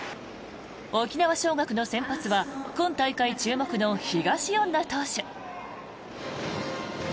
沖縄尚学の先発は今大会注目の東恩納投手。